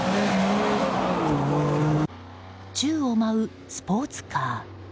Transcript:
宙を舞うスポーツカー。